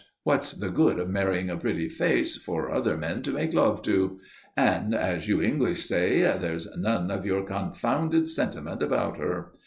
What's the good of marrying a pretty face for other men to make love to? And, as you English say, there's none of your confounded sentiment about her.